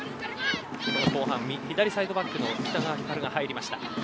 後半に左サイドバックの北川ひかるが入りました。